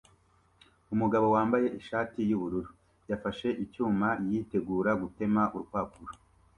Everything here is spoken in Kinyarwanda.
Umugabo wambaye ishati yubururu yafashe icyuma yitegura gutema urupapuro